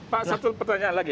pak satu pertanyaan lagi